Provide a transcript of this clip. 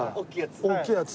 大きいやつ。